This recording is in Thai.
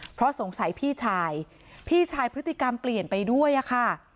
เพราะสงสัยพี่ชายพี่ชายพฤติกรรมเปลี่ยนไปด้วยอะค่ะ